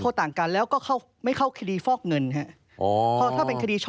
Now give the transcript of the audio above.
โทษต่างกันแล้วก็ไม่เข้าค